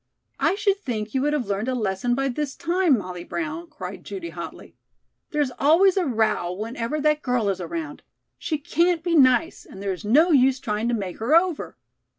"I should think you would have learned a lesson by this time, Molly Brown," cried Judy hotly. "There is always a row whenever that girl is around. She can't be nice, and there is no use trying to make her over."